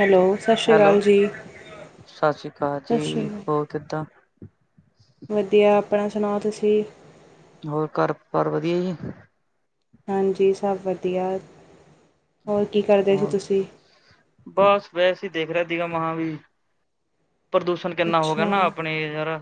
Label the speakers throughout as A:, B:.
A: Hello ਸਾਸ਼ਰੀਕਾਲ ਜੀ।
B: ਸਾਸ੍ਰੀਕਾਲ
A: ਸਤਿ
B: ਜੀ
A: ਸ਼੍ਰੀ
B: ਹੋਰ ਕਿੱਦਾਂ?
A: ਵਦੀਆ ਆਪਣਾ ਸੁਣਾਓ ਤੁਸੀ?
B: ਹੋਰ ਘਰ ਪਰ ਵਦੀਆ ਜੀ?
A: ਹਾਂਜੀ ਸਬ ਵਦੀਆ।
B: ਔਰ। ਬਸ ਵੈਸੇ ਈ ਦੇਖ ਰਿਆ ਦੀਗਾ ਮਹਾਂ ਵੀ ਪ੍ਰਦੂਸ਼ਣ ਕਿੰਨਾ ਹੋ ਗਿਆ
A: ਅੱਛਾ
B: ਨਾ ਅਪਨੇ ਯਰ।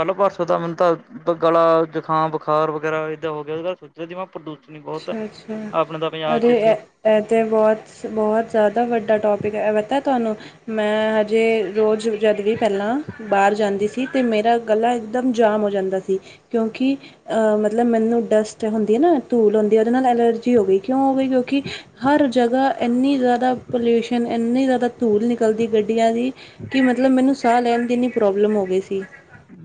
B: ਕੱਲ ਪਰਸੋਂ ਤਾ ਮੈਨੂੰ ਤਾ ਗਲਾ, ਜੁਖਾਮ ਬੁਖਾਰ ਵਗੈਰਾ ਏਦਾਂ ਹੋ ਗਿਆ ਹੀ ਜ ਦੀ ਮਾ ਪ੍ਰਦੂਸ਼ਣ ਈ ਬੌਤ ਆ
A: ਅੱਛਾ-ਅੱਛਾ
B: ਆਪਣੇ ਤਾ ਪੰਜਾਬ ਚ
A: ਅਰੇ
B: ਏਥੇ।
A: ਐ ਤੇ ਬੌਤ ਸ ਬਹੁਤ ਜ਼ਿਆਦਾ ਵੱਡਾ ਟੋਪਿਕ ਐ, ਐ ਪਤਾ ਤੁਆਨੂੰ ਮੈਂ ਹਜੇ ਰੋਜ ਜਦਗੀ ਪੈਲਾਂ ਬਾਅਰ ਜਾਂਦੀ ਸੀ ਤੇ ਮੇਰਾ ਗਲਾ ਇਕਦਮ ਜਾਮ ਹੋ ਜਾਂਦਾ ਸੀ ਕਿਉਂਕਿ ਅ ਮਤਲਬ ਮੈਨੂੰ ਡਸਟ ਹੁੰਦੀ ਐ ਨਾ। ਧੂਲ ਹੁੰਦੀ ਐ ਓਦੇ ਨਾਲ ਐਲਰਜੀ ਹੋ ਗਈ ਕਿਉਂ ਹੋ ਗਈ ਕਿਉਂਕਿ ਹਰ ਜਗ੍ਹਾ ਏਨੀ ਜ਼ਿਆਦਾ ਪੋਲਿਊਸ਼ਨ ਏਨੀ ਜ਼ਿਆਦਾ ਧੂਲ ਨਿਕਲਦੀ ਗੱਡੀਆਂ ਦੀ ਕਿ ਮਤਲਬ ਮੈਨੂੰ ਸਾਹ ਲੈਣ ਦੀ ਇੰਨੀ ਪ੍ਰੋਬਲਮ ਹੋ ਗਈ ਸੀ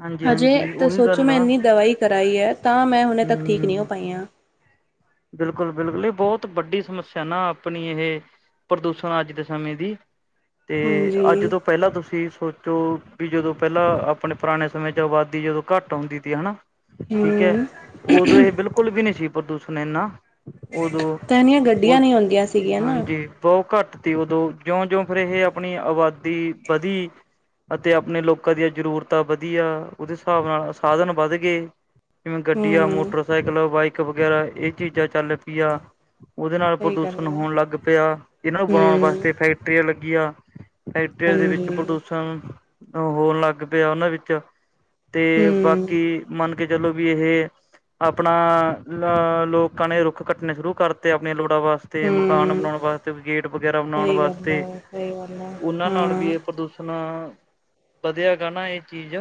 B: ਹਾਂਜੀ
A: ਹਜੇ
B: ਹਾਂਜੀ
A: ਤੇ
B: ਉਹੀ
A: ਸੋਚੋ ਮੈਂ ਇੰਨੀ ਦਵਾਈ ਕਰਾਈ ਐ ਤਾਂ ਮੈਂ ਹੁਣੇ
B: ਹੁੰ
A: ਤੱਕ ਠੀਕ ਨਹੀਂ ਹੋ ਪਾਈ ਹਾਂ
B: ਬਿਲਕੁਲ, ਬਿਲਕੁਲ ਏ ਬੌਤ ਵੱਡੀ ਸਮੱਸਿਆ ਨਾ ਆਪਨੀ ਇਹ ਪ੍ਰਦੂਸ਼ਣ ਅੱਜ ਦੇ ਸਮੇਂ ਦੀ ਤੇ ਅੱਜ
A: ਹਾਂਜੀ
B: ਤੋ ਪੈਲਾਂ ਤੁਸੀ ਏ ਸੋਚੋ ਵੀ ਜਦੋ ਪੈਲਾ ਆਪਣੇ ਪੁਰਾਣੇ ਸਮੇਂ ਚ ਆਬਾਦੀ ਜਦੋਂ ਘੱਟ ਆਉਂਦੀ ਥੀ ਹਨਾ ਠੀਕ ਐ
A: ਹੂੰ,
B: ਓਦੋ ਇਹ ਬਿਲਕੁਲ ਵੀ ਨੀ ਸੀ ਪ੍ਰਦੂਸ਼ਣ ਏਨਾ।
A: ਤਾ ਏਨੀਆਂ ਗੱਡੀਆਂ ਨੀ ਹੋਂਦੀਆਂ ਸੀਗੀਆਂ ਨਾ।
B: ਬੌ ਘੱਟ ਤੀ ਉਦੋਂ ਜਿਉਂ ਜਿਉਂ ਫਿਰ ਇਹ ਆਪਨੀ ਆਬਾਦੀ ਬਧੀ ਅਤੇ ਆਪਨੇ ਲੋਕਾਂ ਦੀਆਂ ਜ਼ਰੂਰਤਾਂ ਵਧੀਆ ਉਦੇ ਸਾਬ ਨਾਲ ਸਾਦਨ ਵੱਦ ਗੇ ਜਿਵੇਂ ਗੱਡੀਆ,
A: ਹੂੰ।
B: ਮੋਟਰਸਾਈਕਲਾ, ਬਾਈਕ ਵਗੈਰਾ ਏ ਚੀਜਾ ਚੱਲ ਪੀਆ। ਓਦੇ ਨਾਲ
A: ਸਹੀ ਗੱਲ
B: ਪ੍ਰਦੂਸ਼ਣ
A: ਐ।
B: ਹੋਣ ਲੱਗ ਪਿਆ ਇਨਾਂ ਨੂੰ ਵਾਂ
A: ਹੂੰ,
B: ਵਾਸਤੇ ਫੈਕਟਰੀਆਂ ਲੱਗੀਆ ਫੈਕਟਰੀਆ ਦੇ ਵਿੱਚ
A: ਹਾਂਜੀ
B: ਪ੍ਰਦੂਸ਼ਣ ਹੋਣ ਲੱਗ ਪਿਆ ਓਨਾਂ ਵਿੱਚ ਤੇ
A: ਹੂੰ,
B: ਬਾਕੀ ਮੰਨ ਕੇ ਚਲੋ ਬੀ ਇਹ ਆਪਨਾ ਲਾ ਲੋਕਾਂ ਨੇ ਰੁੱਖ ਕੱਟਣੇ ਸ਼ੁਰੂ ਕਰਤੇ ਆਪਨੀਆ ਲੋੜਾਂ ਵਾਸ ਤੇ ਮਕਾਨ
A: ਹੂੰ।
B: ਬਣੋਨ ਵਾਸਤੇ ਗੇਟ ਵਗੈਰਾ ਬਣੋਨ ਵਾਸਤੇ।
A: ਸਈ ਗੱਲ ਐ।
B: ਓਨਾਂ ਨਾਲ
A: ਹਾਂ,
B: ਵੀ ਐ ਪ੍ਰਦੂਸ਼ਣ ਵਧਿਆ ਗਾ ਨਾ ਏ ਚੀਜ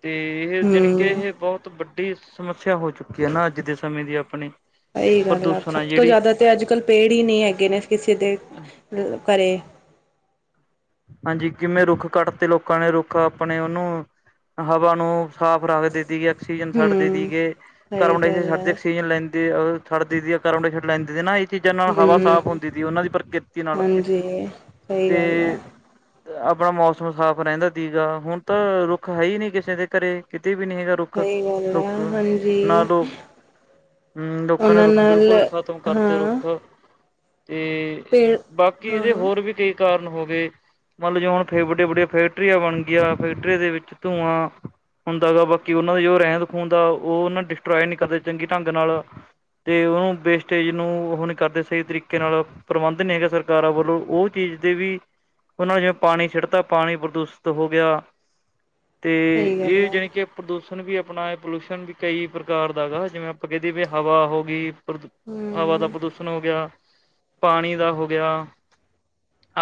B: ਤੇ ਇਹ ਜਣੀ ਕਿ
A: ਹੂੰ।
B: ਇਹ ਬੌਤ ਵੱਡੀ ਸਮੱਸਿਆ ਹੋ ਚੁੱਕੀ ਐ ਨਾ ਅੱਜ ਦੇ ਸਮੇਂ ਦੀ ਆਪਣੀ
A: ਸਹੀ ਗੱਲ
B: ਪ੍ਰਦੂਸ਼ਣ ਆ
A: ਸਭ ਤੋਂ
B: ਜੇੜੀ।
A: ਜ਼ਿਆਦਾ ਤੇ ਅੱਜ ਕੱਲ੍ਹ ਪੇੜ ਈ ਨੀ ਹੈਗੇ ਨੇ ਕਿਸੇ ਦੇ ਅ ਘਰੇ।
B: ਹਾਂਜੀ, ਕਿਵੇਂ ਰੁੱਖ ਕੱਟ ਤੇ ਲੋਕਾਂ ਨੇ ਰੁੱਖ ਆਪਣੇ ਉਨੂੰ ਹਵਾ ਨੂੰ ਸਾਫ਼ ਰੱਖਦੇ ਤੀ ਗਏ, ਆਕਸੀਜਨ ਛੱਡਦੇ ਤੀ
A: ਹੂੰ,
B: ਗੇ
A: ਸਹੀ
B: ਕਾਰਬਨ ਡਾਇਆਕਸਾਈਡ
A: ਗੱਲ
B: ਛੱਡਦੇ
A: ਐ।
B: ਆਕਸੀਜਨ ਲੈਂ ਤੇ ਛੱਡ ਦੀ ਕਾਰਬਨ ਡਾਏ ਅਕਸਾਈਡ ਲੈਂਦੀ ਸੀ ਨਾ ਚੀਜ਼ਾਂ ਨਾਲ ਹਵਾ ਸਾਫ਼
A: ਹੂੰ,
B: ਹੁੰਦੀ ਸੀ ਓਨਾਂ ਦੀ ਪ੍ਰਕਿਰਤੀ ਨਾਲ,
A: ਹਾਂਜੀ ਸਹੀ
B: ਤੇ
A: ਗੱਲ ਐ।
B: ਆਪਣਾ ਮੌਸਮ ਸਾਫ਼ ਰਹਿੰਦਾ ਸੀਗਾ, ਹੁਣ ਤਾਂ ਰੁੱਖ ਹੈ ਹੀ ਨਹੀਂ ਕਿਸੇ ਦੇ ਘਰੇ ਕਿਤੇ ਵੀ ਨੀ ਹੈਗਾ। ਰੁੱਖ
A: ਸਹੀ ਗੱਲ
B: ਲੋ
A: ਐ
B: ਨਾ
A: ਹਾਂਜੀ,
B: ਲੋਕ ਹੂੰ ਲੋਕਾਂ ਨੇ
A: ਉਹਨਾਂ
B: ਰੁੱਖ
A: ਨਾਲ
B: ਬਿਲਕੁਲ ਖ਼ਤਮ ਕਰਤੇ
A: ਹਾਂ
B: ਰੁੱਖ। ਤੇ
A: ਪੇੜ
B: ਬਾਕੀ ਏਦੇ
A: ਹਾਂ-ਹਾਂ।
B: ਹੋਰ ਵੀ ਕਈ ਕਾਰਨ ਹੋ ਗਏ। ਮੰਨ ਲਓ ਜਿਵੇਂ ਹੁਣ ਫ ਵੱਡੀਆਂ- ਵੱਡੀਆਂ ਫੈਕਟਰੀਆਂ ਬਣ ਗਈਆਂ, ਫੈਕਟਰੀਆਂ ਦੇ ਵਿੱਚ ਧੂੰਆਂ ਹੁੰਦਾ ਗਾ ਬਾਕੀ ਉਹਨਾਂ ਦੀ ਜੋ ਰਹਿੰਦ ਖੂੰਹਦ ਆ, ਉਹ ਓਨਾ ਡਿਸਟ੍ਰੋਏ ਨਹੀਂ ਕਰਦੇ, ਚੰਗੇ ਢੰਗ ਨਾਲ। ਅਤੇ ਉਹਨੂੰ ਵੇਸਟੇਜ ਨੂੰ ਉਹ ਨਹੀਂ ਕਰਦੇ ਸਹੀ ਤਰੀਕੇ ਨਾਲ ਪ੍ਰਬੰਧ ਨਹੀਂ ਹੈਗਾ ਸਰਕਾਰਾਂ ਵੱਲੋਂ ਉਹ ਚੀਜ਼ ਦੇ ਵੀ ਉਹਨਾਂ ਨੇ ਜਿਵੇਂ ਪਾਣੀ ਛਿਡਤਾ ਪਾਣੀ ਪ੍ਰਦੂਸ਼ਿਤ ਹੋ ਗਿਆ ਤੇ
A: ਸਹੀ ਗੱਲ
B: ਇਹ
A: ਆ
B: ਜਾਣੀ ਕਿ ਪ੍ਰਦੂਸ਼ਣ ਵੀ ਆਪਣਾ ਹੈ ਪੋਲਿਊਸ਼ਨ ਵੀ ਕਈ ਪ੍ਰਕਾਰ ਦਾ ਹੈ ਗਾ ਜਿਵੇਂ ਕਹਦੀ ਵੀ ਹਵਾ ਹੋ ਗਈ, ਹਵਾ ਦਾ
A: ਹਮ
B: ਪ੍ਰਦੂਸ਼ ਨ ਹੋ ਗਿਆ, ਪਾਣੀ ਦਾ ਹੋ ਗਿਆ,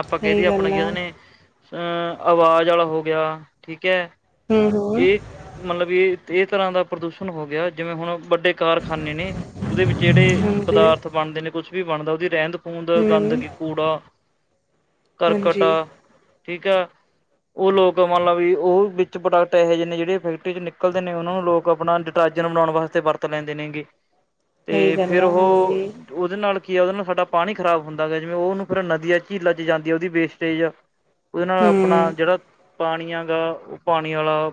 B: ਆਪਾਂ ਕਹਿ ਦੀ
A: ਸਹੀ
B: ਏ ਆਪ
A: ਗੱਲ ਆ
B: ਅਹ ਆਵਾਜ਼ ਆਲਾ ਹੋ ਗਿਆ ਠੀਕ ਏ,
A: ਹਮ ਹਮ
B: ਇਹ ਮਤਲਬ ਵੀ ਹਰੇਕ ਤਰ੍ਹਾਂ ਦਾ ਪ੍ਰਦੂਸ਼ਣ ਹੋ ਗਿਆ, ਜਿਵੇਂ ਹੁਣ ਵੱਡੇ ਕਾਰਖਾਨੇ ਨੇ, ਉਹਦੇ ਵਿੱਚ ਜਿਹੜੇ
A: ਹਾਂਜੀ
B: ਪਦਾਰਥ ਬਣਦੇ ਨੇ ਕੁੱਛ ਵੀ ਬਣਦਾ ਉਹਦੀ ਰਹਿੰਦ ਖਹੂੰਦ
A: ਹਮ
B: ਗੰਦਗੀ ਕੂੜਾ ਕਰਕਟ
A: ਹਾਂਜੀ
B: ਆ, ਠੀਕ ਆ ਉਹ ਲੋਕ ਮੰਨ ਲਾ ਵੀ ਉਹ ਵਿੱਚ ਪ੍ਰੋਡਕਟ ਇਹੋ ਜਿਹੇ ਨੇ ਜਿਹੜੇ ਫੈਕਟਰੀ ਚ ਨਿਕਲਦੇ ਨੇ, ਉਹਨਾਂ ਨੂੰ ਲੋਕ ਆਪਣਾ ਰਾਜਨ ਬਣਾਉਣ ਵਾਸਤੇ ਵਰਤ ਲੈਂਦੇ ਨੇਗੇ।
A: [inaudible]
B: ਤੇ
A: ਗੱਲ
B: ਫਿਰ
A: ਆ ਹਾਂਜੀ
B: ਉਹ ਉਦੇ ਨਾਲ ਕੀ ਆ, ਉਹਦੇ ਨਾਲ ਸਾਡਾ ਪਾਣੀ ਖਰਾਬ ਹੁੰਦਾ ਗਾ। ਜਿਵੇਂ -ਉਹਨੂੰ ਫਿਰ ਨਦੀਆਂ ਝੀਲਾ ਚ ਜਾਂ ਉਦੀ ਵੇਸਟੇਜ ਆ ਉਹਦੇ ਨਾਲ ਆਪਣਾ
A: ਹਮ
B: ਜਿਹੜਾ ਪਾਣੀਆਂ ਗਾ, ਉਹ ਪਾਣੀ ਆਲਾ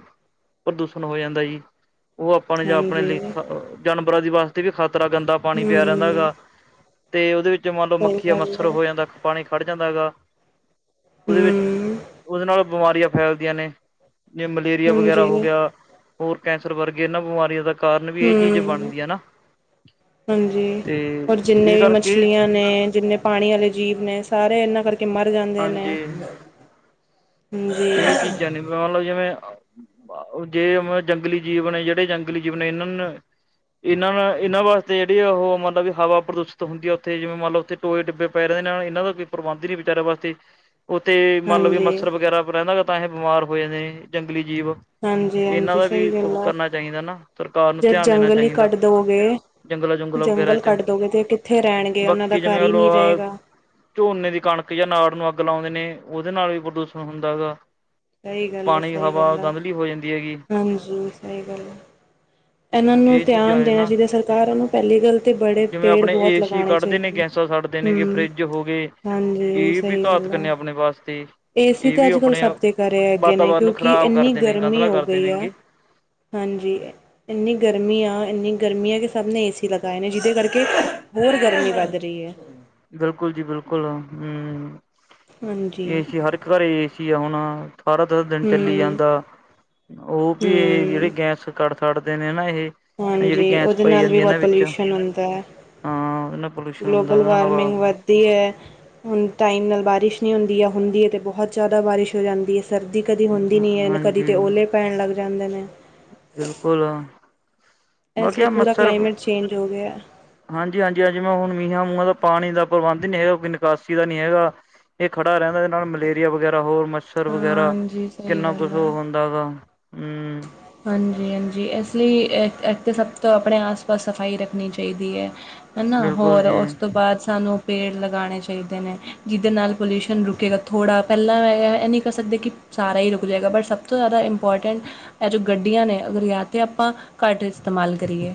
B: ਪ੍ਰਦੂਸ਼ਣ ਹੋ ਜਾਂਦਾ ਜੀ। ਉਹ ਆਪਾਂ ਨੇ ਜਾਂ ਆਪਣੇ
A: ਹਾਂਜੀ
B: ਲਈ
A: ਹਮ
B: ਜਾਨਵਰਾਂ ਦੀ ਵਾਸਤੇ ਵੀ ਖ਼ਤਰਾ ਗੰਦਾ ਪਾਣੀ ਪਿਆ ਰਹਿੰਦਾ ਗਾ ਤੇ ਓਦੇ ਵਿੱਚੋਂ ਮੰਨ ਲਓ
A: ਸਹੀ
B: ਮੱਖੀ ਜਾ
A: ਗੱਲ
B: ਮੱਛਰ
A: ਆ
B: ਹੋ ਜਾਂਦਾ ਪਾਣੀ ਖੜ ਜਾਂਦਾ ਗਾ ਉਹਦੇ ਵਿੱਚ
A: ਹਮ
B: ਉਹਦੇ ਨਾਲੋਂ ਬਿਮਾਰੀਆਂ ਫੈਲਦੀਆਂ ਨੇ, ਜਿਵੇ- ਮਲੇਰੀਆ ਵਗੈਰਾ
A: ਹਾਂਜੀ
B: ਹੋ ਗਿਆ, ਹੋਰ ਕੈਂਸਰ ਵਰਗੇ ਇਹਨਾਂ ਬਿਮਾਰੀਆਂ ਦਾ ਕਾਰਨ ਵੀ ਇਹ ਚੀਜ਼
A: ਹਮ
B: ਬਣਦੀ ਹੈ ਨਾ।
A: ਹਾਂਜੀ।
B: ਤੇ
A: ਹੋਰ ਜਿੰਨੇ
B: ਇਸ
A: ਵੀ
B: ਕਰਕੇ
A: ਮੱਛਲੀਆਂ ਨੇ ਜਿੰਨੇ ਪਾਣੀ ਆਲੇ ਜੀਵ ਨੇ ਸਾਰੇ ਇਹਨਾਂ ਕਰਕੇ ਮਰ ਜਾਂਦੇ ਨੇ।
B: ਹਾਂਜੀ
A: ਹਾਂਜੀ
B: ਇਹ ਚੀਜ਼ਾਂ ਨੇ ਮਨ ਲੋ ਜਿਵੇਂ ਜੇ ਜੰਗਲੀ ਜੀਵ ਨੇ ਜਿਹੜੇ ਜੰਗਲੀ ਜੀਵ ਨੇ ਇਹਨਾਂ ਨੇ ਇਹਨਾਂ ਨਾ ਇਹਨਾਂ ਵਾਸਤੇ ਜਿਹੜੀ ਉਹ ਮਤਲਬ ਵੀ ਹਵਾ ਪ੍ਰਦੂਸ਼ਤ ਹੁੰਦੀ ਆ ਉੱਥੇ ਜਿਵੇਂ ਮੰਨ ਲੋ ਉੱਥੇ ਟੋਏ ਟਿੱਬੇ ਪੈ ਰੈ ਨੇ ਇਹਨਾਂ ਦਾ ਕੋਈ ਪ੍ਰਬੰਧ ਨੀ ਵਿਚਾਰੇ ਵਾਸਤੇ
A: [inaudible]
B: ਉੱਥੇ ਮੰਨ ਲੌ ਵੀ
A: ਹਾਂਜੀ
B: ਮੱਛਰ ਵਗੈਰਾ ਰਹਿੰਦਾ ਗਾ ਤਾਂ ਹੀ ਬਿਮਾਰ ਹੋਏ ਨੇ ਜੰਗਲੀ ਜੀਵ।
A: ਹਾਂਜੀ
B: ਇਹਨਾਂ
A: ਹਾਂਜੀ
B: ਦਾ ਵੀ
A: ਸਹੀ ਗੱਲ
B: ਉਹ
A: ਆ
B: ਕਰਨਾ ਚਾਹੀਦਾ ਨਾ ਸਰਕਾਰ ਨੂੰ
A: ਜੇ
B: ਧਿਆਨ ਦੇਣਾ
A: ਜੰਗਲ ਹੀ
B: ਚਾਹੀਦਾ।
A: ਕੱਟ ਦੋਗੇ
B: ਜੰਗਲਾਂ ਜੁਗਲਾਂ ਵਗੈਰਾ
A: ਜੰਗਲ
B: 'ਚ
A: ਕੱਢ ਦੋਗੇ ਤੇ ਕਿੱਥੇ ਰਹਿਣਗੇ ਉਹਨਾਂ ਦਾ
B: ਬਾਕੀ
A: ਘਰ
B: ਜਿਵੇਂ
A: ਹੀ
B: ਲੋ
A: ਨਹੀਂ ਰਹੇਗਾ
B: ਝੋਨੇ ਦੀ ਕਣਕ ਜਾਂ ਨਾੜ ਨੂੰ ਅੱਗ ਲਾਉਂਦੇ ਨੇ, ਉਹਦੇ ਨਾਲ ਵੀ ਪ੍ਰਦੂਸ਼ਣ ਹੁੰਦਾ ਗਾ।
A: ਸਹੀ ਗੱਲ ਆ, ਸਹੀ ਗੱਲ ਆ,
B: ਹੈਗੀ
A: ਹਾਂਜੀ, ਸਹੀ ਗੱਲ ਆ। ਏਨਾਂ ਨੂੰ
B: ਇਹ ਚੀਜ਼ਾਂ
A: ਧਿਆਨ
B: ਨੇ
A: ਦੇਣਾ
B: ਨਾ
A: ਚਾਹੀਦਾ ਸਰਕਾਰਾਂ ਨੂੰ ਪਹਿਲੀ ਗੱਲ ਤਾਂ ਬੜੇ ਪੇੜ ਬਹੁਤ ਲਗਾਣੇ ਚਾਹੀਦੇ ਨੇ।
B: ਛੱਡਦੇ ਨੇਗੇ,
A: ਹਮ
B: ਫਰਿੱਜ ਹੋ ਗਏ
A: ਹਾਂਜੀ
B: ਇਹ ਵੀ
A: ਸਹੀ ਗੱਲ
B: ਘਾਤਕ
A: ਆ
B: ਨੇ ਆਪਣੇ ਵਾਸਤੇ।
A: ਏਸੀ
B: ਇਹ
A: ਤੇ
B: ਵੀ
A: ਅੱਜ ਕੱਲ੍ਹ
B: ਆਪਣੇ
A: ਸਭ ਦੇ ਘਰ ਹੈਗੇ ਨੇ,
B: ਵਾਤਾਵਰਨ ਨੂੰ
A: ਕਿਉਂਕਿ
B: ਖ਼ਰਾਬ
A: ਇੰਨੀ
B: ਕਰਦੇ ਨੇ
A: ਗਰਮੀ
B: ਗੰਧਲਾ
A: ਹੋ
B: ਕਰਦੇ
A: ਗਈ ਐ
B: ਨੇਗੇ
A: ਹਾਂਜੀ ਇੰਨੀ ਗਰਮੀ ਆ, ਇੰਨੀ ਗਰਮੀ ਆ, ਕਿ ਸਭ ਨੇ ਏ ਸੀ ਲਗਾਏ ਨੇ, ਜਿਹਦੇ ਕਰਕੇ ਹੋਰ ਗਰਮੀ ਵੱਧ ਰਹੀ ਐ
B: ਬਿਲਕੁਲ ਜੀ ਬਿਲਕੁਲ ਹੂੰ
A: ਹਾਂਜੀ
B: ਏਸੀ ਹਰ ਇੱਕ ਘਰ ਏਸੀ ਆ ਹੁਣ [unintelligible] ਸਾਰਾ, ਸਾਰਾਦਿਨ ਚੱਲੀ
A: ਹਮ
B: ਜਾਂਦਾ ਉਹ ਵੀ ਇਹ ਜਿਹੜੇ
A: ਹਮ
B: ਗੈਸ ਕੱੜ ਛੱਟਦੇ ਨੇ ਨਾ ਇਹ
A: ਹਾਂਜੀ,
B: ਜਿਹੜੀ ਗੈਸ
A: ਉਹਦੇ
B: ਪਾਈ
A: ਨਾਲ ਵੀ
B: ਜਾਂਦੀ ਇਹਨਾਂ
A: ਬਹੁਤ
B: ਵਿੱਚ
A: ਪੋਲਿਊਸ਼ਨ ਹੁੰਦਾ
B: ਹਾਂ ਉਹਦੇ ਨਾਲ ਪੋਲਿਊਸ਼ਨ
A: ਗਲੋਬਲ
B: ਹੁੰਦਾ ਹਵਾ
A: ਵਾਰਮਿੰਗ ਵਧ ਇਹ ਐ ਹੁਣ ਟਾਈਮ ਨਾਲ ਬਾਰਿਸ਼ ਨੀ ਹੁੰਦੀ ਐ, ਹੁੰਦੀ ਐ ਤੇ ਬਹੁਤ ਜ਼ਿਆਦਾ ਬਾਰਿਸ਼ ਹੋ ਜਾਂਦੀ ਐ ਸਰਦੀ ਕਦੀ ਹੁੰਦੀ ਨਹੀਂ ਐ, ਕਦੀ
B: ਹਾਂਜੀ
A: ਤੇ ਓਲੇ ਪੈਣ ਲੱਗ ਜਾਂਦੇ ਨੇ
B: ਬਿਲਕੁਲ
A: ਇਸ
B: ਬਾਕੀ
A: ਲਈ ਪੂਰਾ ਕਲਾਈਮੇਟ ਚੇਂਜ ਹੋ ਗਿਆ
B: ਹਾਂਜੀ, ਹਾਂਜੀ ਹਾਂਜੀ ਮੈਂ ਹੁਣ ਮੀਹਾਂ ਮੂੰਹਾਂ ਦਾ ਪਾਣੀ ਦਾ ਪ੍ਰਬੰਧ ਨੀ ਹੈਗਾ। ਕੋਈ ਨਿਕਾਸੀ ਦਾ ਨੀ ਹੈਗਾ ਇਹ ਖੜਾ ਰਹਿੰਦਾ ਇਹਦੇ ਨਾਲ ਮਲੇਰੀਆ ਵਗੈਰਾ ਹੋਰ ਮ [unintelligible] ਛਰ ਵਗੈਰਾ,
A: ਹਾਂਜੀ ਸਹੀ
B: ਕਿੰਨਾ ਕੁਛ
A: ਗੱਲ ਹੈ
B: ਉਹ ਹੁੰਦਾ ਗਾ ਹੂੰ
A: ਹਾਂਜੀ, ਹਾਂਜੀ ਇਸ ਲਈ ਇੱਥੇ ਸਭ ਤੋਂ ਆਪਣੇ ਆਸ ਪਾਸ ਸਫ਼ਾਈ ਰੱਖਣੀ ਚਾਹੀਦੀ ਹੈ ਹੈਨਾ।
B: ਬਿਲਕੁਲ
A: ਹੋਰ
B: ਜੀ
A: ਉਸ ਤੋਂ ਬਾਅਦ ਸਾਨੂੰ ਪੇੜ ਲਗਾਣੇ ਚਾਹੀਦੇ ਨੇ ਜਿਹਦੇ ਨਾਲ ਪੋਲਿਊਸ਼ਨ ਰੁਕੇਗਾ ਥੋੜ੍ਹਾ ਪਹਿਲਾਂ ਐ ਇਹ ਨਹੀਂ ਕਰ ਸਕਦੇ। ਕਿ ਸਾਰਾ ਹੀ ਰੁਕ ਜਾਏਗਾ। ਬਟ ਸਭ ਤੋਂ ਜ਼ਿਆਦਾ ਇੰਪੋਰਟੈਂਟ ਜੋ ਗੱਡੀਆਂ ਨੇ, ਅਗਰ ਯਾ ਤਾਂ ਆਪਾਂ ਘੱਟ ਇਸਤੇਮਾਲ ਕਰੀਏ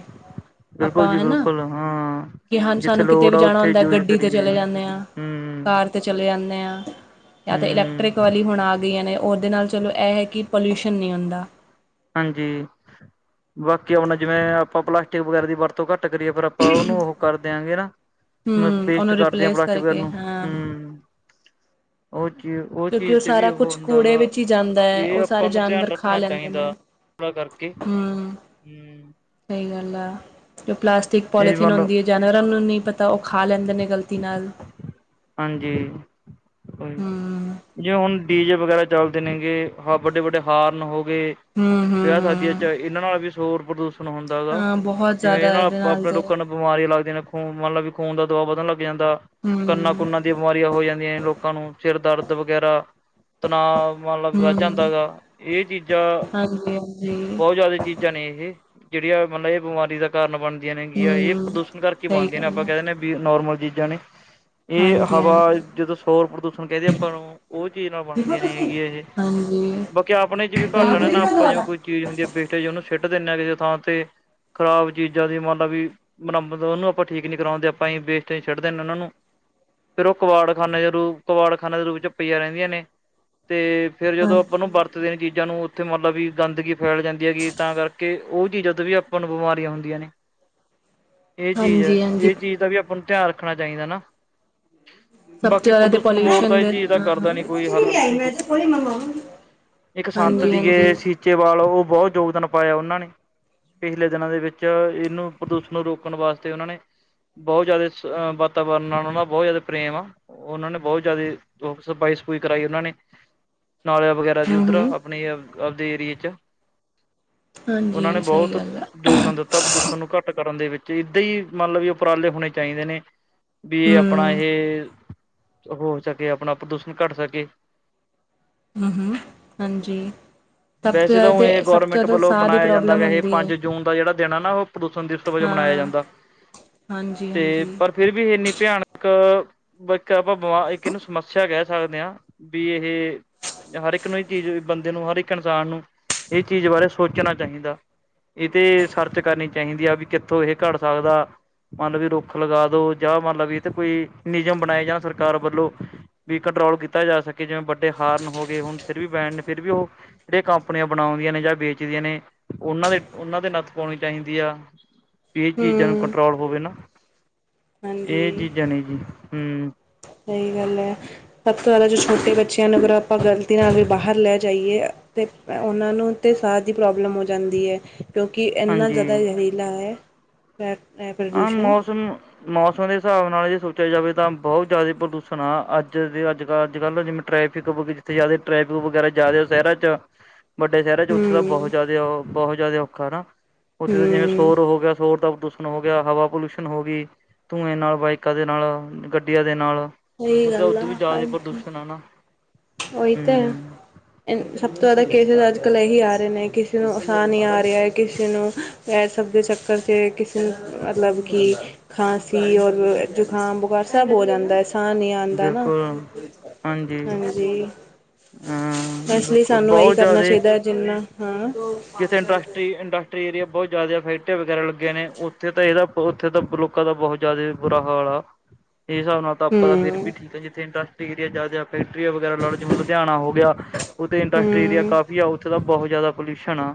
B: ਬਿਲਕੁਲ ਜੀ ਬਿਲਕੁਲ ਹਾਂ
A: ਕੇ ਹਾਂ
B: ਜਿੱਥੇ
A: ਸਾਨੂੰ ਕਿਤੇ
B: ਲੋੜ
A: ਵੀ
B: ਆ
A: ਜਾਣਾ
B: ਉੱਥੇ
A: ਹੁੰਦਾ,
B: ਯੂਜ
A: ਗੱਡੀ ਤੇ
B: ਕਰੀਏ
A: ਚਲੇ ਜਾਂਣੇ ਆ, ਕਾਰ ਤੇ ਚਲੇ ਜਾਂਣੇ ਹਾਂ, ਯਾ ਤੇ ਇਲੈਕਟ੍ਰਿਕ
B: ਹੂੰ-ਹੂੰ
A: ਵਾਲੀ ਹੁਣ ਆ ਗਈਆਂ ਨੇ, ਓਹਦੇ ਨਾਲ ਚਲੋ ਏਹ ਹੈ ਕਿ ਪੋਲੂਊਸ਼ਨ ਨਹੀਂ ਹੁੰਦਾ
B: ਹਾਂਜੀ, ਬਾਕੀ ਆਪਣਾ ਜਿਵੇਂ ਆਪਾਂ ਪਲਾਸਟਿਕ ਵਗੈਰਾ ਦੀ ਵਰਤ ਤੋਂ ਘੱਟ ਕਰੀਏ, ਫੇਰ ਆਪਾਂ ਉਹਨੂੰ ਓਹ ਕਰ ਦੇਆਂਗੇ ਨਾ ਮ
A: ਹੂੰ,
B: ਵੇਸਟ
A: ਉਹਨੂੰ
B: ਕਰਦੇ ਆ।
A: ਰਿਪਲੇਸ
B: ਪਲਾਸਟਿਕ ਵਗੈਰਾ
A: ਕਰਕੇ
B: ਨੂੰ,
A: ਹਾਂ।
B: ਹੂਂ ਓਹ ਚੀਜ ਤੇ ਓਹ
A: ਕਿਉਂਕਿ ਉਹ
B: ਚੀਜ਼ ਤੇ ਵੀ
A: ਸਾਰਾ
B: ਓਹ
A: ਕੁਛ
B: ਹੁੰਦਾ
A: ਕੂੜੇ
B: ਗਾ,
A: ਵਿੱਚ ਹੀ ਜਾਂਦਾ ਹੈ,
B: ਏਹ
A: ਉਹ ਸਾਰੇ
B: ਆਪਾਂ ਨੂੰ ਧਿਆਨ
A: ਜਾਨਵਰ ਖਾ
B: ਰੱਖਣਾ
A: ਲੈਂਦੇ ਨੇ।
B: ਚਾਹੀਦਾ ਸਲਾਹ ਕਰਕੇ
A: ਹੂੰ,
B: ਹੂਂੰ
A: ਸਹੀ ਗੱਲ ਆ। ਜੋ ਪਲਾਸਟਿਕ
B: ਇਹ
A: ਪੋਲੀਥੀਨ
B: ਵੱਲ
A: ਹੁੰਦੀ ਹੈ ਜਾਨਵਰਾਂ ਨੂੰ ਨਹੀਂ ਪਤਾ, ਓਹ ਖਾ ਲੈਂਦੇ ਨੇ ਗ਼ਲਤੀ ਨਾਲ
B: ਹਾਂਜੀ,
A: ਹੂੰ,
B: ਜੇ ਹੁਣ ਡੀਜੇ ਵਗੈਰਾ ਚੱਲਦੇ ਨੇਗੇ, ਵੱਡੇ-ਵੱਡੇ ਹਾਰਨ ਹੋ ਗਏ,
A: ਹੂੰ, ਹੂੰ,
B: ਵਿਆਹ ਸ਼ਾਦੀਆਂ
A: ਹੂੰ।
B: ਇਹਨਾਂ ਨਾਲ ਵੀ ਸ਼ੋਰ ਪ੍ਰਦੂਸ਼ਣ ਹੁੰਦਾ ਹੈਗਾ,
A: ਹਾਂ, ਬਹੁਤ
B: ਜਿਵੇਂ ਇਹ
A: ਜ਼ਿਆਦਾ
B: ਨਾਲ
A: ਇਹਦੇ
B: ਆਪ ਆਪਣੇ
A: ਤੇ
B: ਲੋਕਾਂ ਨਾਲ ਬਿਮਾਰੀਆਂ ਲੱਗਦੀਆਂ, ਖੂਨ ਮਤਲਬ ਵੀ ਖੂਨ ਦਾ ਦਵਾ ਵਧਣ ਲੱਗ ਜਾਂਦਾ
A: ਹੂਂ
B: ਅ ਖੂਨਾਂ ਦੀਆਂ ਬਿਮਾਰੀਆਂ ਹੋ ਜਾਂਦੀਆਂ ਨੇ ਲੋਕਾਂ ਨੂੰ, ਸਿਰ ਦਰਦ ਵਗੈਰਾ ਤਣਾਅ, ਮਤਲਬ ਵੱਧ ਜਾਂਦਾ
A: ਹੂੰ।
B: ਗਾ ਇਹ ਚੀਜ਼ਾਂ,
A: ਹਾਂਜੀ, ਹਾਂਜੀ,
B: ਬਹੁਤ ਜ਼ਿਆਦਾ ਚੀਜ਼ਾਂ ਨੇ, ਇਹ ਜੇਹੜੀਆਂ ਮਤਲਬ ਇਹ ਬਿਮਾਰੀ ਦਾ ਕਾਰਨ ਬਣਦੀ ਨੇਆਂ ਇਹ
A: ਹੂੰ।
B: ਪ੍ਰਦੂਸ਼ਣ ਕਰਕੇ
A: ਸਹੀ
B: ਬਣਦੀਆਂ ਨੇ,
A: ਗੱਲ
B: ਆਪਾਂ
A: ਹੈ,
B: ਕਹਿ ਦੇਨੇ ਵੀ ਨੋਰਮਲ ਚੀਜ਼ਾਂ ਨੇ ਇਹ
A: ਹਾਂਜੀ,
B: ਹਵਾ
A: ਹਾਂਜੀ।
B: ਜਦੋਂ ਸ਼ੋਰ ਪ੍ਰਦੂਸ਼ਣ ਕਹਿੰਦੇ ਆਪਾਂ ਨੂੰ, ਉਹ ਚੀਜ਼ ਨਾਲ ਬਣਦੀਆਂ
A: ਹਾਂਜੀ,
B: ਨੇ ਹੈਗੀਆਂ ਬਾਕੀ ਆਪਣੇ ਚ ਵੀ ਘਾਟ ਆ ਨੇ
A: ਸਹੀ
B: ਨਾ,
A: ਗੱਲ
B: ਆਪਾਂ ਜਿ
A: ਆ।
B: ਕੋਈ ਚੀਜ਼ ਹੁੰਦੀ ਹੈ, ਬੈਠੇ ਜਿਵੇਂ ਉਹਨੂੰ ਸਿੱਟ ਦਿੰਦੇ ਹਾਂ ਕਿਸੇ ਥਾਂ ਤੇ ਖਰਾਬ ਚੀਜ਼ਾਂ ਦੀ ਮਤਲਬ ਵੀ ਮੰਨ ਲੋ ਉਹਨੂੰ ਆਪਾਂ ਠੀਕ ਨੀ ਕਰਾਉਂਦੇ, ਆਪਾਂ ਹੀ ਵੇਸਟ ਛੱਡਦੇ ਨੇ ਉਹਨਾਂ ਨੂੰ ਫੇਰ ਓਹ ਕਬਾੜਖਾਨੇ ਦੇ ਰੂਪ, ਕਬਾੜਖਾਨੇ ਦੇ ਰੂਪ ਛ ਪਈਆਂ ਰਹਿੰਦੀਆਂ ਨੇ, ਤੇ ਫੇਰ ਜਦੋਂ ਆਪਾਂ ਨੂੰ
A: ਹਾਂਜੀ,
B: ਵਰਤਦੇ ਨੇ ਚੀਜ਼ਾਂ ਨੂੰ ਫੇ ਉੱਥੇ ਮੰਤਲਬ ਵੀ ਗੰਦਗੀ ਫੈਲ ਜਾਂਦੀ ਹੈਗੀ ਤਾਂ ਕਰਕੇ ਓਹ ਚੀਜ਼ਾਂ ਤੋਂ ਵੀ ਆਪਾਂ ਨੂੰ ਬਿਮਾਰੀਆਂ ਹੁੰਦੀਆਂ ਨੇ ਏਹ ਚੀਜ਼ ਹੈ,
A: ਹਾਂਜੀ, ਹਾਂਜੀ।
B: ਏਹ ਚੀਜ਼ ਦਾ ਵੀ ਆਪਾਂ ਨੂੰ ਧਿਆਨ ਰੱਖਣਾ ਚਾਹੀਦਾ ਨਾ
A: ਸਭ ਤੋਂ
B: ਬਾਕੀ
A: ਜ਼ਿਆਦਾ ਤੇ
B: ਪ੍ਰਦੂਸ਼ਣ ਬੋਰਡ ਦਾ
A: ਪੋਲਿਊਸ਼ਨ
B: ਏਹ
A: ਦੇ
B: ਚੀਜ਼ ਦਾ
A: ਹਾਂ
B: ਕਰਦਾ
A: ਹਾਂ
B: ਨੀ ਕੋਈ
A: ਕੁਛ
B: ਹੱਲ
A: ਲਿਆਈ ਮੈਂ ਤੇ ਕੋਈ ਮੰਗਵਾਵਾਂਗੀ।
B: ਇੱਕ ਸੰਤ
A: ਹਾਂਜੀ ਹਾਂਜੀ
B: ਸੀਗੇ ਸੀਚੇ ਵਾਲ ਓਹ ਬਹੁਤ ਯੋਗਦਾਨ ਪਾਇਆ ਉਹਨਾਂ ਨੇ ਪਿਛਲੇ ਦਿਨਾਂ ਦੇ ਵਿੱਚ ਇਹਨੂੰ ਪ੍ਰਦੂਸ਼ਣ ਨੂੰ ਰੋਕਣ ਵਾਸਤੇ ਉਹਨਾਂ ਨੇ ਬਹੁਤ ਜ਼ਿਆਦਾ ਸ ਅ ਵਾਤਾਵਰਨ ਨਾਲੋ ਨਾ ਬਹੁਤ ਜ਼ਿਆਦਾ ਪ੍ਰੇਮ ਆ ਉਹਨਾਂ ਨੇ ਬਹੁਤ ਜ਼ਿਆਦਾ ਸਫਾਈ-ਸਫੂਈ ਕਰਾਈ ਉਹਨਾਂ ਨੇ ਨਾਲੇ ਵਗੈਰਾ ਦਾਦੀ
A: ਹੂੰ
B: ਉੱਧਰ ਆ
A: ਹੂੰ
B: ਆਪਣੇ ਆਪਦੇ ਏਰੀਏ ਚ, ਉਹਨਾਂ ਨੇ
A: ਹਾਂਜੀ ਸਹੀ
B: ਬਹੁਤ
A: ਗੱਲ ਆ
B: ਯੋਗਦਾਨ ਦਿੱਤਾ ਪ੍ਰਦੂਸ਼ਣ ਨੂੰ ਘੱਟ ਕਰਨ ਦੇ ਵਿੱਚ ਏਦਾਂ ਈ ਮਤਲਬ ਵੀ ਉਪਰਾਲੇ ਹੋਣੇ ਚਾਹੀਦੇ ਨੇ ਵੀਏ ਆਪਣਾ
A: ਹੂੰ
B: ਏਹ, ਹੋ ਸਕੇ ਆਪਣਾ ਪ੍ਰਦੂਸ਼ਣ ਘੱਟ ਸਕੇ
A: ਹੂੰ ਹੂੰ ਹਾਂਜੀ ਸਭ ਤੋਂ
B: ਵੈਸੇ ਤਾਂ
A: ਜ਼ਿਆਦਾ
B: ਹੁਣ
A: ਤੇ
B: ਏਹ
A: ਸਭ ਤੋਂ
B: ਗੌਰਮੈਂਟ
A: ਜ਼ਿਆਦਾ
B: ਵੱਲੋਂ
A: ਸਾਹ ਦੀ
B: ਬਣਾਇਆ ਜਾਂਦਾ
A: ਪ੍ਰੋਬਲਮ
B: ਹੈ ਏਹ
A: ਹੁੰਦੀ
B: ਪੰਜ ਜੂਨ ਦਾ ਜੇਹੜਾ ਦਿਨ ਹੈ ਨਾ ਓਹ ਪ੍ਰਦੂਸ਼ਣ ਦਿਵਸ ਵਜੋਂ ਮਨਾਇਆ
A: ਹਾਂ
B: ਜਾਂਦਾ
A: ਹਾਂਜੀ ਹਾਂ
B: ਏਹ ਪਰ ਫਿਰ ਵੀ ਇਨੀੱ ਪਿਆਨਕ ਇੱਕ ਪਾਂ ਕਾ ਪਾ ਬਵਾ ਇਕ ਇਹਨੂੰ ਸਮੱਸਿਆ ਕਹਿ ਸਕਦੇ ਹਾਂ ਵੀ ਏਹ ਹਰ ਇੱਕ ਨੂੰ ਇਹ ਚੀਜ਼ ਬੰਦੇ ਨੂੰ ਹਰ ਇੱਕ ਇਨਸਾਨ ਨੂੰ, ਇਹ ਚੀਜ਼ ਬਾਰੇ ਸੋਚਣਾ ਚਾਹੀਦਾ ਏਹ ਤੇ ਸਰਚ ਕਰਨੀ ਚਾਹੀਦੀ ਆ ਵੀ ਕਿੱਥੋਂ ਏਹ ਘੱਟ ਸਕਦਾ ਮਨ ਲਓ ਵੀ ਰੁੱਖ ਲਗਾ ਦੋ ਜਾਂ ਮੰਨਲਾ ਵੀ ਚ ਕੋਈ ਨਿਯਮ ਬਣਾਏ ਜਾਣ ਸਰਕਾਰ ਵੱਲੋਂ ਵੀ ਕੰਟਰੋਲ ਕੀਤਾ ਜਾ ਸਕੇ ਜਿਵੇਂ ਵੱਡੇ ਹਾਰਨ ਹੋ ਗਏ ਹੁਣ ਫਿਰ ਵੀ ਬੈਣ ਫਿਰ ਵੀ ਓਹ ਏ ਕੰਪਨੀਆਂ ਬਣਾਉਂਦੀਆਂ ਨੇ ਜਾਂ ਵੇਚਦੀਆਂ ਨੇ ਓਹਨਾਂ ਦੇ ਓਹਨਾਂ ਦੇ ਨੱਥ ਪਾਉਣੀ ਚਾਹੀਦੀ ਆ ਪੀ ਚੀਜ਼ਾਂ ਨੂੰ
A: ਹੂੰ
B: ਕੰਟਰੋਲ ਹੋਵੇ ਨਾ
A: ਹਾਂਜੀ
B: ਜਣੀ ਕਿ ਜੀ ਹੂਂ
A: ਸਈ ਗੱਲ ਐ, ਸਭ ਤੋ ਜਆਦਾ ਜੇ ਛੋਟੇ ਬੱਚਿਆਂ ਨੂੰ ਅਗਰ ਆਪਾ ਗ਼ਲਤੀ ਨਾਲ ਵੀ ਬਾਹਰ ਲੈ ਜਾਈਏ ਤੇ ਓਨਾਂ ਨੂੰ ਤੇ ਸਾਹ ਦੀ ਪ੍ਰੋਬਲਮ ਹੋ ਜਾਂਦੀ ਏ ਕਿਉਂਕਿ ਏਨਾ
B: ਹਾਂਜੀ
A: ਜ਼ਿਆਦਾ ਏ ਲਾਏ, ਐ ਐ ਪ੍ਰਦੂਸ਼ਨ
B: ਸੁਣ ਮੌਸਮ ਦੇ ਹਿਸਾਬ ਨਾਲ ਜੇ ਸੋਚਿਆ ਜਾਵੇ ਤਾਂ ਬੋਹਤ ਜ਼ਿਆਦਾ ਪ੍ਰਦੂਸ਼ਣ ਆ, ਆੱਜ ਦੇ ਆੱਜ-ਕਾੱਲ ਆੱਜ-ਕਾੱਲ ਜਿਵੇਂ ਮਿੱਟੀ ਟਰੈਫਿਕ ਬਹੁਤ ਹੀ ਜਿਆਦਾ ਜਿੱਥੇ ਟਰੈਫਿਕ ਵਗੈਰਾ ਜਾਦੇ ਓ ਸ਼ੈਰਾਂ ਚ ਵੱਡੇ ਸ਼ਹਿਰਾਂ ਚ ਓਥੇ ਤਾਂ
A: ਹੂੰ
B: ਬੋਹਤ ਜਾਦੇ ਓਹੋ, ਬੋਹਤ ਜਾਦਾ ਔਖਾ ਨਾ ਉਥੇ ਤਾਂ ਜਿਵੇਂ
A: ਹੂੰ
B: ਸੋਰ ਹੋਗਿਆ, ਸੋਰ ਦਾ ਪ੍ਰਦ ਹੋਗਿਆ ਹਵਾ ਪਲਿਊਸ਼ਨ ਹੋ ਗੀ, ਧੂੰਏ ਨਾਲ, ਬਾਈਕਾਂ ਦੇ ਨਾਲ ਗੱਡੀਆ ਦੇ ਨਾਲ
A: ਸਹੀ
B: ਉਸ ਦਾ
A: ਗੱਲ
B: ਓਦੋ ਵੀ ਜਿਆਦ ਪ੍ਰਦੂਸ਼ਨ ਹੈ ਨਾ
A: ਓਈ ਤੇ
B: ਹੂੰ
A: ਹੈ ਸਬ ਤੋਂ ਜਾਦਾ ਕੇਸਿਸ ਆੱਜ-ਕੱਲ ਏਹੀ ਆ ਰੇ ਨੇ, ਕਿਸੇ ਨੂੰ ਸਾਹ ਨੀ ਆ ਰਹਿਆ, ਕਿਸੇ ਨੂੰ ਪੈਸਾ ਵ ਦੇ ਚੱਕਰ ਤੇ ਕਿਸੇ ਅ ਮਤਲਬ ਕਿ ਖਾਂਸੀ ਔਰ ਜੁਕਾਮ, ਬੁਖਾਰ ਸਬ ਹੋ ਜਾਂਦਾਂ। ਸਾਹ ਨਈ ਆਂਦਾ ਨਾ,
B: ਬਿਲਕੁਲ
A: ਹਾਂਜੀ।
B: ਹਾਂ
A: ਐਕਚੁਲੀ
B: ਬਿਲਕੁਲ
A: ਸਾਨੂੰ ਐਹੀ
B: ਬਹੁਤ
A: ਕਰਨਾ
B: ਜ਼ਿਆਦੇ
A: ਚਾਹੀਦਾ ਜਿੰਨਾ, ਹਾਂ
B: ਇੰਡਸਟਰੀ-ਇੰਡਸਟਰੀ ਏਰੀਆ ਬੁਹਤ ਜਿਆਦਾ ਫੈਕਟਰੀਆਂ ਵਗੈਰਾ ਲੱਗੀਆਂ ਨੇ, ਓਥੇ ਤਾਂ ਏਦਾ ਉਥੇ ਤਾਂ ਬੋਹਤ ਲੋਕ ਕਦੋ ਦਾ ਬੁਹਤ ਜਿਆਦਾ ਬੁਰਾ ਹਾਲ ਆ, ਏ ਸਾਬ ਪਤਾ ਫੇਰ ਵੀ
A: ਹੂੰ
B: ਠੀਕ ਏ, ਜਿੱਥੇ ਇੰਡਸਟਰੀ ਏਰੀਆ ਜਾਦੇ ਆ, ਫੈਕਟਰੀਆਂ ਵਗੈਰਾ ਲਾ ਲੋ, ਜਿਵੇਂ ਲੁਧਿਯਾਨਾ ਹੋਗਯਾ ਓਥੇ ਇੰਡਸਟਰੀ ਏਰੀਆ
A: ਹੂੰ
B: ਕਾਫੀ ਆ, ਓਥੇ ਤਾ ਬੋਹ ਜਾਦਾ ਪੋਲਯੂਸ਼ਨ ਆ।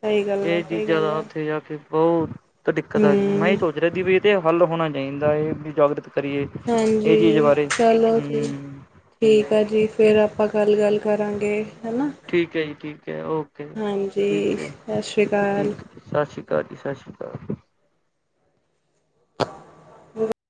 A: ਸਹੀ ਗੱਲ
B: ਏ
A: ਹੈ ਸਹੀ
B: ਚੀਜਾਂ
A: ਗੱਲ
B: ਦਾ
A: ਹੈ
B: ਓਥੇ ਯਾ ਫੇਰ ਬੋਤ ਦਿੱਕਤ ਆ ਗੀ, ਮੈਂ ਏ
A: ਹੂੰ
B: ਸੋਚ ਰੇਆ ਵੀ ਏ ਤੇ ਹੱਲ ਹੋਨਾ ਚਾਂਈਦਾ ਏ ਵੀ ਜਾਗਰਤ ਕਰੀਏ ਇਹ ਚੀਜ਼
A: ਹਾਂਜੀ,
B: ਬਾਰੇ
A: ਚਲੋ ਜੀ।
B: ਹਮ
A: ਠੀਕ ਆ ਜੀ, ਫੇਰ ਆਪਾਂ ਕਲ ਗਲ ਕਰਾਂਗੇ, ਹੈਨਾ।
B: ਠੀਕ ਐ ਜੀ, ਠੀਕ ਐ, ਓਕੇ, ਠੀਕ ਐ ਜੀ,
A: ਸਤਿ ਸ਼੍ਰੀ ਅਕਾਲ
B: ਠੀਕ ਸ਼ਾਸ਼ੀ ਕਾਲ ਜੀ, ਸ਼ਾਸ਼ੀ ਕਾਲ।
A: [inaudible]